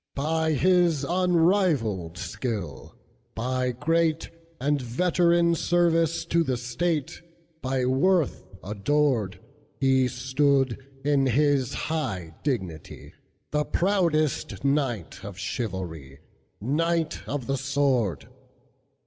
By his unrivalled skill, by greatAnd veteran service to the state, By worth adored, He stood, in his high dignity, The proudest knight of chivalry, Knight of the Sword.